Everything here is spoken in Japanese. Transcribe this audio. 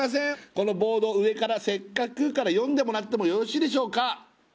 このボード上から「せっかく」から読んでもらってもよろしいでしょうか？